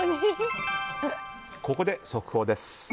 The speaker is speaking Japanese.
ここで速報です。